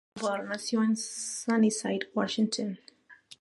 Dunbar nació en Sunnyside, Washington.